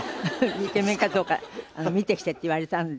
イケメンかどうか見てきてって言われたんで。